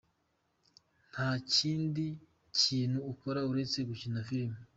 Nta kindi kintu akora uretse gukina filime.